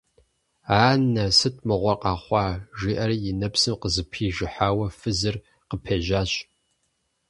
- Ана-а, сыт мыгъуэр къэухъу? - жиӀэри и нэпсым къызэпижыхьауэ фызыр къыпежьащ.